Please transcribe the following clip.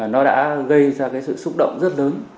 nó đã gây ra sự xúc động rất lớn